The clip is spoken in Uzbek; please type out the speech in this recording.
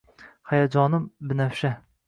Hayajonim binafsha